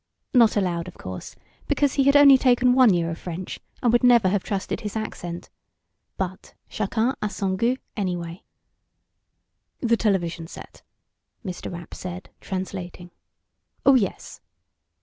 Not aloud, of course, because he had only taken one year of French, and would never have trusted his accent. But chacun a son gout, anyway. "The television set," Mr. Rapp said, translating. "Oh, yes."